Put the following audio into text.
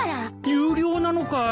有料なのかい！？